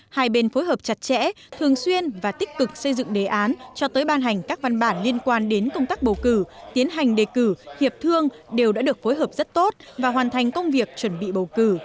hai bên phối hợp chặt chẽ thường xuyên và tích cực xây dựng đề án cho tới ban hành các văn bản liên quan đến công tác bầu cử tiến hành đề cử hiệp thương đều đã được phối hợp rất tốt và hoàn thành công việc chuẩn bị bầu cử